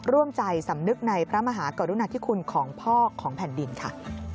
ร่วมใจสำนึกในพระมหากรุณาธิคุณของพ่อของแผ่นดินค่ะ